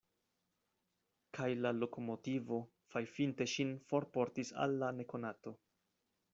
Kaj la lokomotivo fajfinte ŝin forportis al la nekonato.